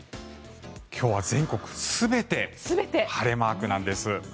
今日は全国全て晴れマークなんです。